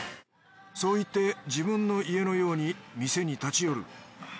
そう言って自分の家のように店に立ち寄る。